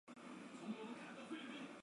有一个哥哥和妹妹。